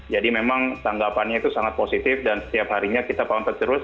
jadi memang tanggapannya itu sangat positif dan setiap harinya kita panggung terus